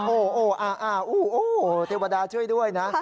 โอ้โหอ่าโอ้โหเทวดาช่วยด้วยนะ